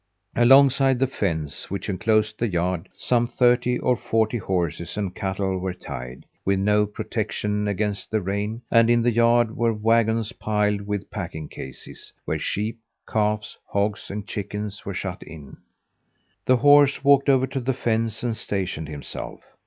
Alongside the fence, which enclosed the yard, some thirty or forty horses and cattle were tied, with no protection against the rain, and in the yard were wagons piled with packing cases, where sheep, calves, hogs, and chickens were shut in. The horse walked over to the fence and stationed himself.